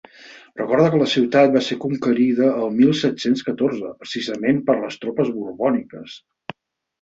Recorda que la ciutat va ser conquerida el mil set-cents catorze, precisament per les tropes borbòniques.